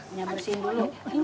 ini bersihin dulu